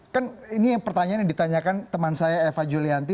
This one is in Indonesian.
kan ini pertanyaan yang ditanyakan teman saya eva julianti